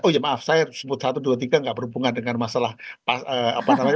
oh ya maaf saya sebut satu dua tiga nggak berhubungan dengan masalah apa namanya